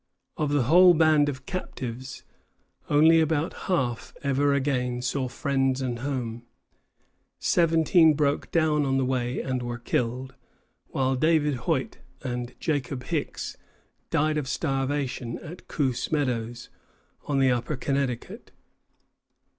Of the whole band of captives, only about half ever again saw friends and home. Seventeen broke down on the way and were killed; while David Hoyt and Jacob Hix died of starvation at Coos Meadows, on the upper Connecticut.